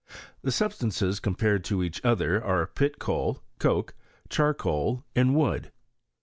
The substances compared to each other are pit coal, coke, charcoal, and wood.